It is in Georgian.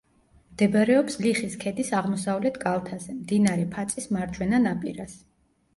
მდებარეობს ლიხის ქედის აღმოსავლეთ კალთაზე, მდინარე ფაწის მარჯვენა ნაპირას.